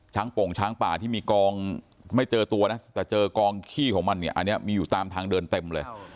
โป่งช้างป่าที่มีกองไม่เจอตัวนะแต่เจอกองขี้ของมันเนี่ยอันนี้มีอยู่ตามทางเดินเต็มเลย